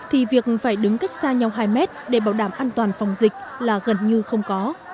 thì việc phải đứng cách xa nhau hai mét để bảo đảm an toàn phòng dịch là gần như không có